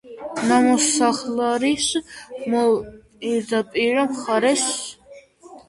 ნამოსახლარის მოპირდაპირე მხარეს.